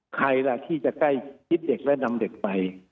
ใครล่ะที่จะใกล้ชิดเด็กและนำเด็กไป